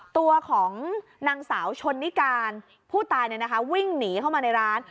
ตัวของนางสาวชนนิการผู้ตายวิ่งหนีเข้ามาในร้าน